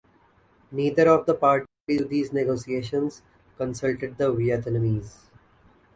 Neither of the parties to these negotiations consulted the Vietnamese.